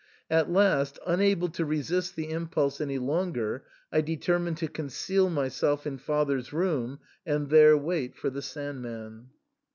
At last, unable to resist the impulse any longer, I determined to conceal myself in father's room and there wait for the Sand man.